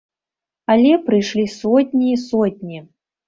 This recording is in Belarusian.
Але прыйшлі сотні і сотні.